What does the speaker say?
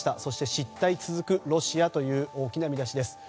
失態続くロシアという大きな見出しです。